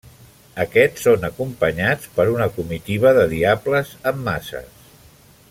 Aquests són acompanyats per una comitiva de diables amb maces.